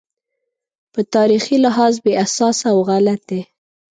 په تاریخي لحاظ بې اساسه او غلط دی.